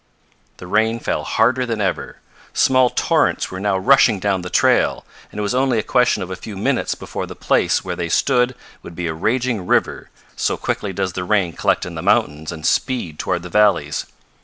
The rain fell harder than ever. Small torrents were now rushing down the trail, and it was only a question of a few minutes before the place where they stood would be a raging river, so quickly does the rain collect in the mountains and speed toward the valleys.